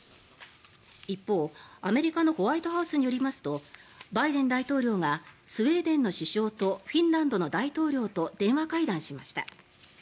一方、アメリカのホワイトハウスによりますとバイデン大統領がスウェーデンの首相とフィンランドの大統領と電話会談しました。